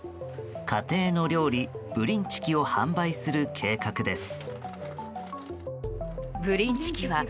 家庭の料理、ブリンチキを販売する計画です。